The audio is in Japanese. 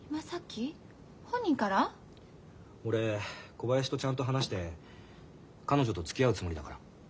俺小林とちゃんと話して彼女とつきあうつもりだから。